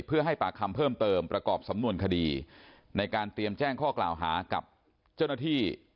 เพื่อให้ปากคำเพิ่มเติมประกอบสำนวนคดีในการเตรียมแจ้งข้อกล่าวหากับเจ้าหน้าที่